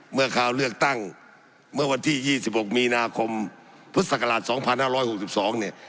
คราวเลือกตั้งเมื่อวันที่๒๖มีนาคมพุทธศักราช๒๕๖๒เนี่ย